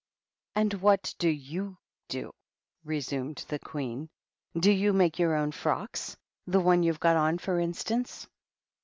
" And what do you do ?" resumed the Queen. " Do you make your own frocks, — ^the one you've got on, for instance?"